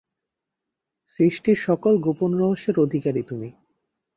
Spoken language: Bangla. সৃষ্টির সকল গোপন রহস্যের অধিকারী তুমি।